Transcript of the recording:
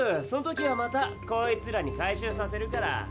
その時はまたこいつらに回収させるから。